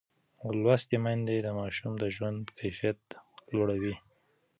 لوستې میندې د ماشوم د ژوند کیفیت لوړوي.